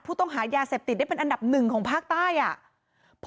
ผู้ต้องหายาเสพติดได้เป็นอันดับหนึ่งของภาคใต้อ่ะ